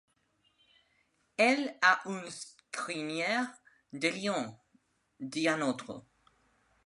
Elle a une crinière de lion! dit un autre.